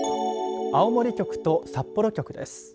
青森局と札幌局です。